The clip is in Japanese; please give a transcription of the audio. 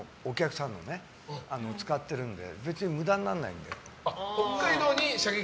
それに使ってるので別に無駄にならないんで。